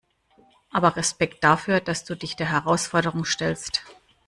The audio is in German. Aber Respekt dafür, dass du dich der Herausforderung stellst.